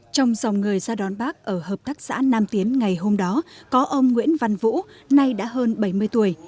trong dòng người ra đón bác ở hợp tác xã nam tiến ngày hôm đó có ông nguyễn văn vũ nay đã hơn bảy mươi tuổi